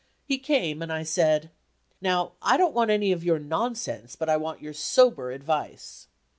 He came, and I said: "Now, I don't want any of your nonsense, but I want your sober advice."